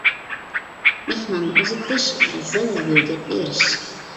مېھماننى ئۇزىتىش ۋە زەللە يۆگەپ بېرىش.